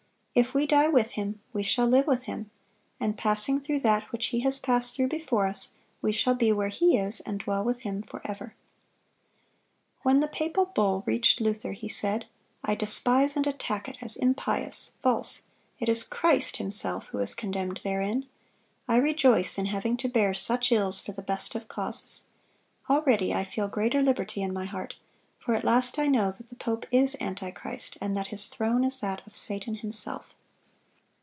If we die with Him, we shall live with Him; and passing through that which He has passed through before us, we shall be where He is and dwell with Him forever."(191) When the papal bull reached Luther, he said: "I despise and attack it, as impious, false.... It is Christ Himself who is condemned therein.... I rejoice in having to bear such ills for the best of causes. Already I feel greater liberty in my heart; for at last I know that the pope is antichrist, and that his throne is that of Satan himself."